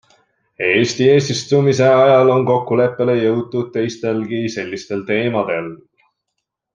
Eesti eesistumise ajal on kokkuleppele jõutud teistelgi sellistel teemadel.